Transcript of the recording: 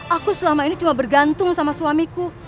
aku selama ini cuma bergantung sama suamiku